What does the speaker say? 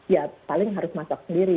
ya paling harus masak sendiri